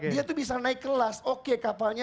dia tuh bisa naik kelas oke kapalnya